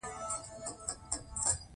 تاسې سم له لاسه ترې په پوره دقت کار واخلئ.